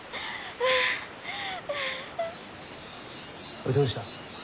おいどうした？うう。